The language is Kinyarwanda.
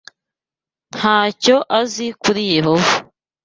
nta cyo azi kuri Yehova